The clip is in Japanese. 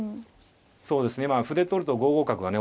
そうですね歩で取ると５五角がね